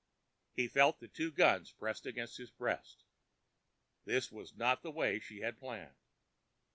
He felt the two guns pressing on his breast. This was not the way she had planned.